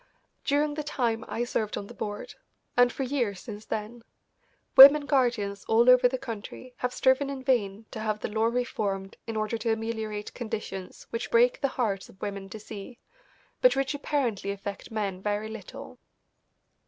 During the time I served on the board, and for years since then, women guardians all over the country have striven in vain to have the law reformed in order to ameliorate conditions which break the hearts of women to see, but which apparently affect men very little.